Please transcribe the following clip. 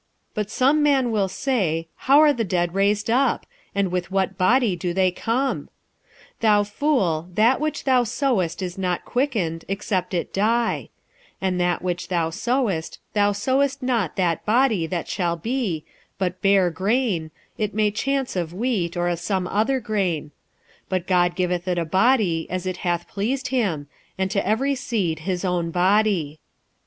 46:015:035 But some man will say, How are the dead raised up? and with what body do they come? 46:015:036 Thou fool, that which thou sowest is not quickened, except it die: 46:015:037 And that which thou sowest, thou sowest not that body that shall be, but bare grain, it may chance of wheat, or of some other grain: 46:015:038 But God giveth it a body as it hath pleased him, and to every seed his own body.